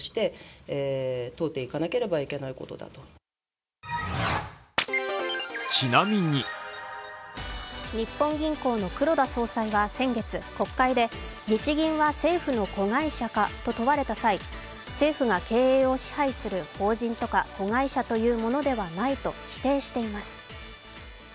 一方、立憲民主党の西村幹事長は日本銀行の黒田総裁は先月、国会で、日銀は政府の子会社化と問われた際、政府が経営を支配する法人とか子会社とかいうものではないと否定しています。